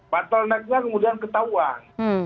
bottlenecknya kemudian ketahuan